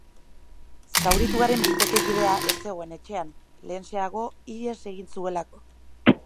Zaurituaren bikotekidea ez zegoen etxean, lehenxeago ihes egin zuelako.